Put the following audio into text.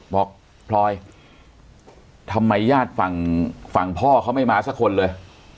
พลอยทำไมญาติฝั่งฝั่งพ่อเขาไม่มาสักคนเลย